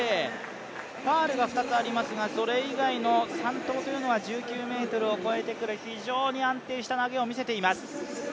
ファウルが２つありますが、それ以外の３投というのは１９ｍを越えてくる非常に安定した投げを見せています。